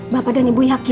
bapak dan ibu yakin